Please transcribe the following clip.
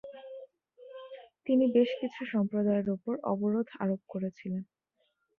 তিনি বেশ কিছু সম্প্রদায়ের ওপর অবরোধ আরোপ করেছিলেন।